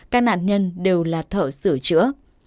các nạn nhân đều là thợ sửa chữa